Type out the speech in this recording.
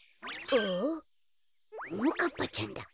ももかっぱちゃんだ。